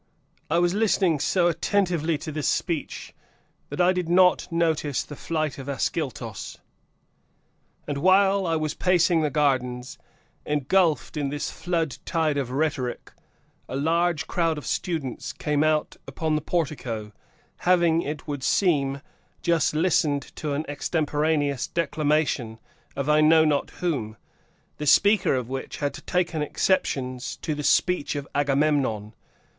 I was listening so attentively to this speech that I did not notice the flight of Ascyltos, and while I was pacing the gardens, engulfed in this flood tide of rhetoric, a large crowd of students came out upon the portico, having, it would seem, just listened to an extemporaneous declamation, of I know not whom, the speaker of which had taken exceptions to the speech of Agamemnon.